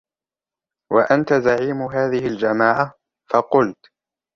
وَأَنْتَ زَعِيمُ هَذِهِ الْجَمَاعَةِ ؟ فَقُلْت